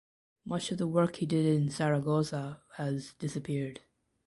Much of the work he did in Zaragoza has disappeared.